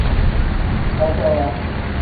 Batawa.